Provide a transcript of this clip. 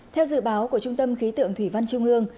theo dự báo của trung tâm khí tượng thủy văn trung ương